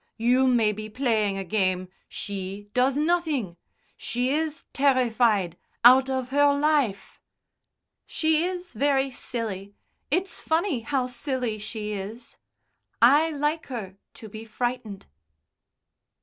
You may be playing a game she does nothing. She is terrified out of her life." "She is very silly. It's funny how silly she is. I like her to be frightened."